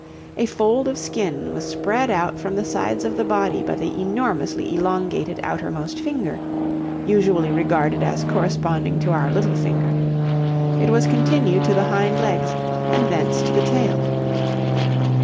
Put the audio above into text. A fold of skin was spread out from the sides of the body by the enormously elongated outermost finger (usually regarded as corresponding to our little finger); it was continued to the hind legs and thence to the tail.